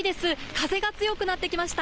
風が強くなってきました。